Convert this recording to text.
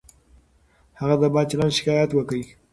هغه د بد چلند شکایت وکړ.